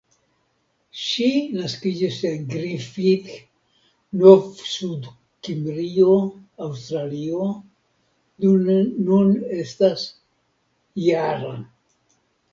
Ŝi naskiĝis en Griffith, Novsudkimrio, Aŭstralio, do nun estas -jara.